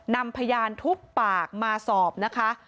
นำพยานทุกปากมาสอบนะคะ